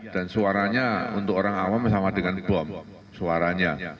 dan suaranya untuk orang awam sama dengan bom suaranya